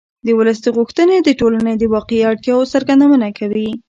د ولس غوښتنې د ټولنې د واقعي اړتیاوو څرګندونه کوي